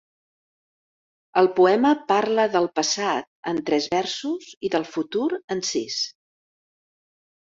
El poema parla del passat en tres versos i del futur, en sis.